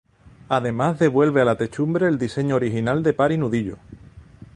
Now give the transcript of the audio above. Además devuelve a la techumbre el diseño original de par y nudillo.